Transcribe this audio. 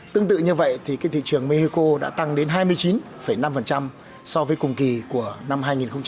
tương tự như vậy thì thị trường mexico đã tăng đến hai mươi chín năm so với cùng kỳ của năm hai nghìn một mươi tám